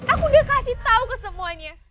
aku udah kasih tau ke semuanya